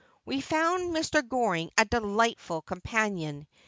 We found Mr. Goring a delightful companion.